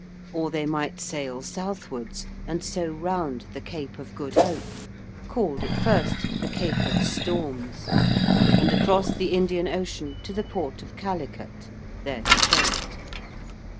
Or they might sail southwards and so round the Cape of Good Hope called at first the Cape of Storms and across the Indian Ocean to the port of Calicut, there to trade.